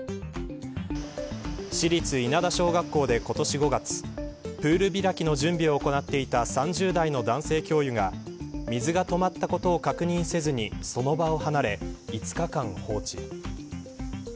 市立稲田小学校で、今年５月プール開きの準備を行っていた３０代の男性教諭が水が止まったことを確認せずにその場を離れ、５日間放置。